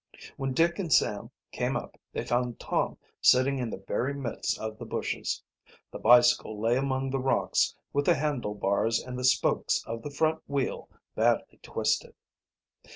When Dick and Sam came up they found Tom sitting in the very midst of the bushes. The bicycle lay among the rocks with the handle bars and the spokes of the front wheel badly twisted.